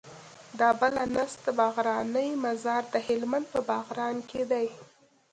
د بله نسته باغرانی مزار د هلمند په باغران کي دی